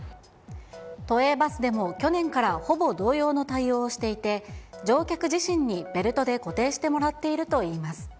都営バスでも去年からほぼ同様の対応をしていて、乗客自身にベルトで固定してもらっているといいます。